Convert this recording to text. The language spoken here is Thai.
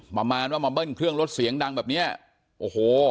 ประมาณว่ามาเบิ้ลเครื่องรถเสียงดังแบบเนี้ยโอ้โห